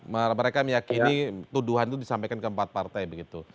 mereka meyakini tuduhan itu disampaikan ke empat partai begitu